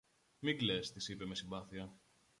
Μην κλαις, της είπε με συμπάθεια.